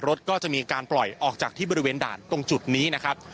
รถก็จะมีการปล่อยออกจากที่บริเวณด่านตรงจุดนี้นะครับ